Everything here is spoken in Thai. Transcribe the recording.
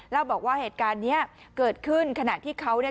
แล้วบอกว่าเหตุการณ์เนี้ยเกิดขึ้นขณะที่เขาเนี่ย